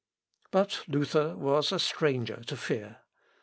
" But Luther was a stranger to fear.